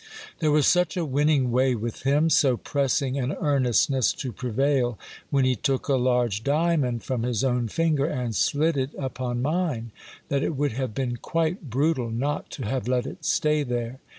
There was such a winning way with him, so pressing an earnestness to prevail, when he took a large diamond from his own finger, and slid it upon mine, that it would have been quite brutal not to have let it stay there.